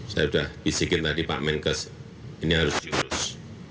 saya sudah bisikin tadi pak menkes ini harus diurus